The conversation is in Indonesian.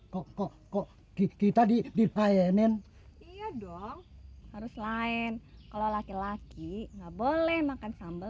kok kok kok kita di di payenin iya dong harus lain kalau laki laki nggak boleh makan sambal